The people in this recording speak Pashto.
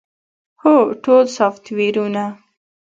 هو، ټول سافټویرونه